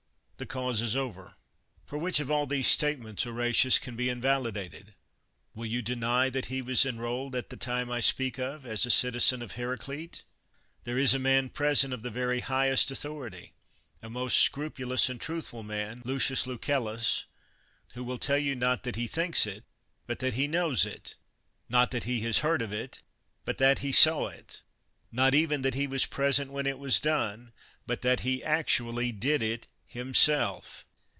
The cause is over. For which of all these statements, Oratius, can be invalidated! Will you deny that he was enrolled, at the time I speak of, as a citizen of Heracleat There is a man present of the very highest authority, a most scrupulous and truth ful man, Lucius Lucellus, who will tell you not that he thinks it, but that he knows it; not that he has heard of it, but that he saw it; not even that he was present when it was done, but that he actually did it himself.